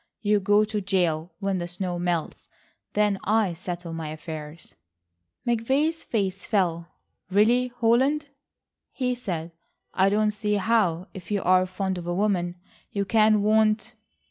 You go to jail when the snow melts. Then I settle my affairs." McVay's face fell. "Really, Holland," he said, "I don't see how, if you are fond of a woman you can want